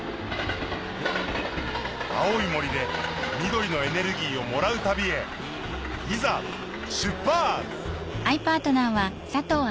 青い森で緑のエネルギーをもらう旅へいざ出発！